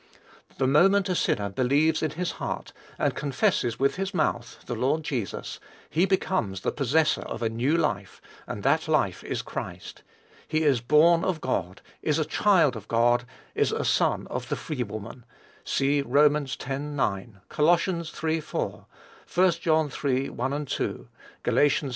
The moment a sinner believes in his heart and confesses with his mouth the Lord Jesus, he becomes the possessor of a new life, and that life is Christ. He is born of God, is a child of God, is a son of the free woman. (See Rom. x. 9; Col. iii. 4; 1 John iii. 1, 2; Gal. iii.